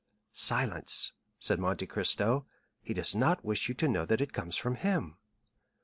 "Silence," said Monte Cristo; "he does not wish you to know that it comes from him."